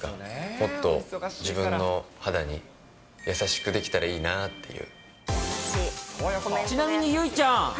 もっと自分の肌に優しくできたらいいなっていう。